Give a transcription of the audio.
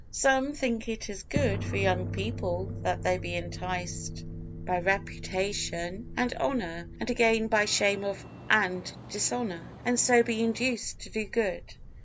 Some think it is good for young people that they be enticed by reputation and honor, and again by shame of and dishonor, and so be induced to do good.